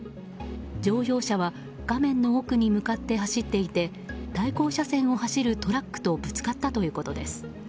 乗用車は画面の奥に向かって走っていて対向車線を走るトラックとぶつかったということです。